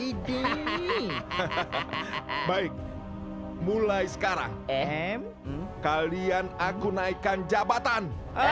ini baik mulai sekarang m kalian aku naikkan jabatan